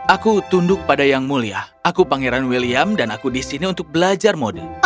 aku tunduk pada yang mulia aku pangeran william dan aku disini untuk belajar mode